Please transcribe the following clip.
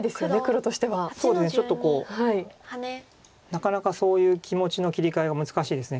なかなかそういう気持ちの切り替えが難しいです。